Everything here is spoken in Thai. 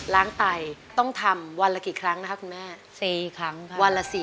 ล้างไตต้องทำวันละกี่ครั้งนะครับคุณแม่